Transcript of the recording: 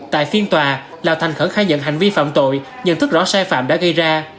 tại phiên tòa lào thành khẩn khai nhận hành vi phạm tội nhận thức rõ sai phạm đã gây ra